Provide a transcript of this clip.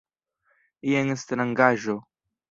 Jen strangaĵo.